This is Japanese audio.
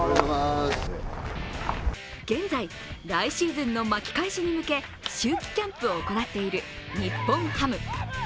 現在、来シーズンの巻き返しに向け秋季キャンプを行っている日本ハム。